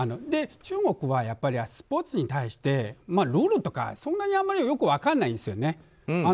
中国はスポーツに対してルールとかそんなにあまりよく分からないんですよね。